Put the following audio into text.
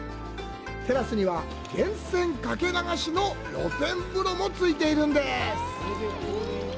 テラスには、源泉掛け流しの露天風呂もついています。